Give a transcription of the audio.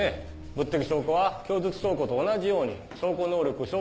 物的証拠は供述証拠と同じように証拠能力証拠価値